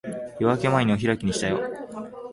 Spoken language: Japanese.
夜明け前にお開きにしたよ。